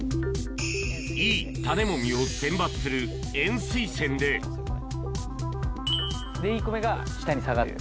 いい種もみを選抜する塩水選いい米が下に下がる。